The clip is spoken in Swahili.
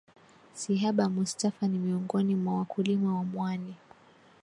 Sihaba Mustafa ni miongoni mwa wakulima wa mwani